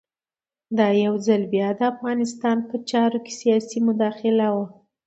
دا یو ځل بیا د افغانستان په چارو کې سیاسي مداخله وه.